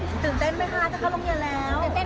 แจนแต้นมั๊ยคะจากประจะเราะลุงแล้ว